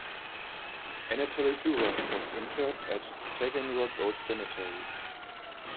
Anatoly Durov was interred at Taganrog Old Cemetery.